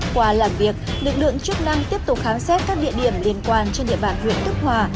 qua làm việc lực lượng chức năng tiếp tục khám xét các địa điểm liên quan trên địa bàn huyện tức hòa